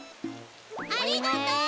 ありがとう！